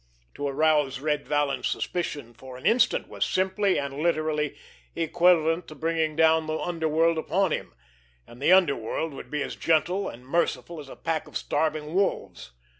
To arouse Red Vallon's suspicion for an instant was simply and literally equivalent to bringing down the underworld upon him—and the underworld would be as gentle and merciful as a pack of starving wolves!